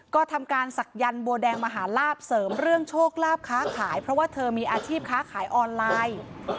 ก็ทำการศักยันต์บัวแดงมหาลาบเสริมเรื่องโชคลาภค้าขายเพราะว่าเธอมีอาชีพค้าขายออนไลน์